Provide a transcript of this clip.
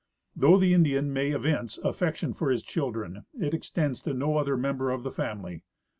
Though the Indian may evince affection for his children, it extends to no other member of the family.